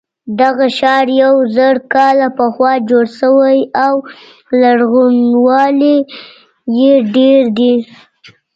دغه ښار یو زر کاله پخوا جوړ شوی او لرغونوالی یې ډېر دی.